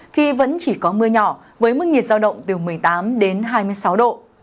khi vẫn chỉ có mưa nhỏ với mức nhiệt giao động từ một mươi tám đến hai mươi sáu độ